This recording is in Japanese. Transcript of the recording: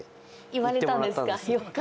言われたんですか？